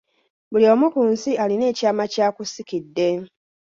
Buli omu ku nsi alina ekyama ky'akusikidde.